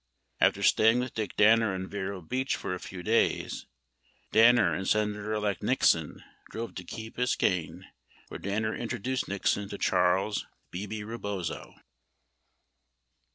After staying with Dick Danner in Vero Beach for a few' days, Danner and Senator elect Nixon drove to Key Biscayne where Danner intro duced Nixon to Charles "Bebe" Rebozo.